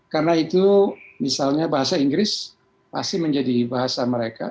karena itu misalnya bahasa inggris pasti menjadi bahasa mereka